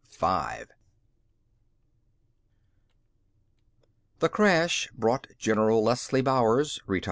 XI The crash brought Gen. Leslie Bowers (ret.)